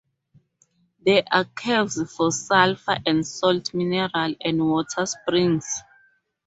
There are caves for sulphur and salt mineral, and water springs.